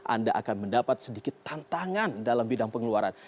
anda akan mendapat sedikit tantangan dalam bidang pengeluaran